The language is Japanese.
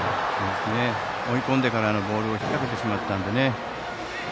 追い込んでからのボールを引っ掛けてしまったので。